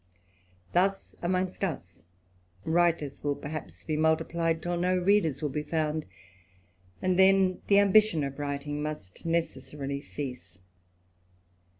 Thus amongst us, writers will, perhaps, be 254 THE ADVENTURER. multiplied, till no readers will be found, and then tlx^ ambition of writing must necessarily cease.